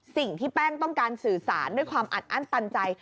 สิ่งที่แป้งต้องการสื่อสารด้วยความอัดอั้นตันใจ